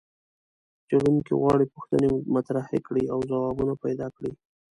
څېړونکي غواړي پوښتنې مطرحې کړي او ځوابونه پیدا کړي.